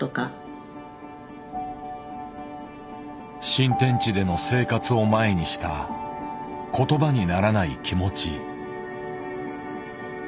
新天地での生活を前にした言葉にならない気持ち。